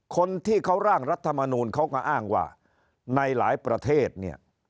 คนที่เขาร่างรัฐมนูลเขาก็อ้างว่าในหลายประเทศเนี่ย